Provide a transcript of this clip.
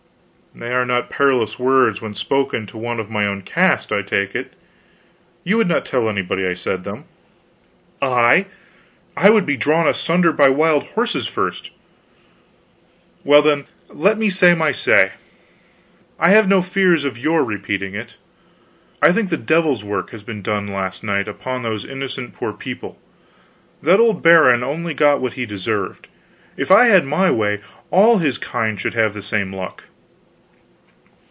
"They are not perilous words when spoken to one of my own caste, I take it. You would not tell anybody I said them?" "I? I would be drawn asunder by wild horses first." "Well, then, let me say my say. I have no fears of your repeating it. I think devil's work has been done last night upon those innocent poor people. That old baron got only what he deserved. If I had my way, all his kind should have the same luck."